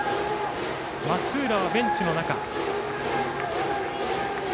松浦はベンチの中。